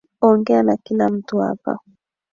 Ongea na kila mtu hapa